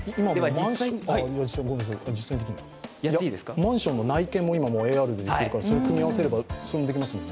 マンションの内見も今、ＡＲでできるからそれを組み合わせればそれもできますもんね。